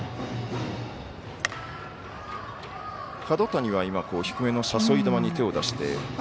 角谷は低めの誘い球に手を出して。